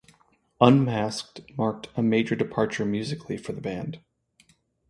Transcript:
"Unmasked" marked a major departure musically for the band.